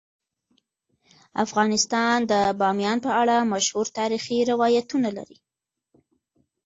افغانستان د بامیان په اړه مشهور تاریخی روایتونه لري.